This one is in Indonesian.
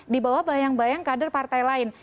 di bawah bayang bayang kader partai lain